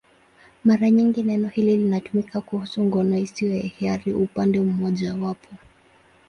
Mara nyingi neno hili linatumika kuhusu ngono isiyo ya hiari upande mmojawapo.